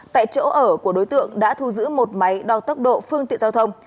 tại chỗ ở của đối tượng đã thu giữ một máy đo tốc độ phương tiện giao thông